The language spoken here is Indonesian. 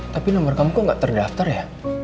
tapi nomor kamu kok nggak terdaftar ya